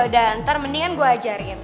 ntar mendingan gue ajarin